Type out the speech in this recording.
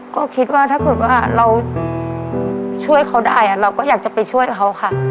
ก็คิดว่าถ้าเกิดว่าเราช่วยเขาได้เราก็อยากจะไปช่วยเขาค่ะ